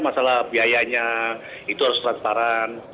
masalah biayanya itu harus transparan